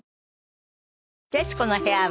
『徹子の部屋』は